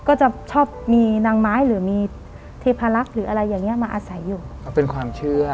ก็จะชอบมีนางไม้หรือมีเทพลักษณ์หรืออะไรอย่างเงี้มาอาศัยอยู่ก็เป็นความเชื่อ